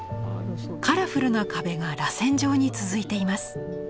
カラフルな壁がらせん状に続いています。